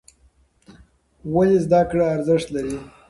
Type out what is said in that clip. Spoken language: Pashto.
ولې زده کړه ارزښت لري؟